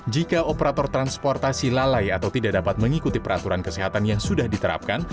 jika operator transportasi lalai atau tidak dapat mengikuti peraturan kesehatan yang sudah diterapkan